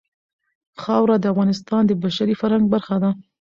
خاوره د افغانستان د بشري فرهنګ برخه ده.